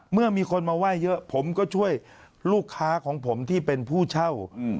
เมื่อมีคนมาไหว้เยอะผมก็ช่วยลูกค้าของผมที่เป็นผู้เช่า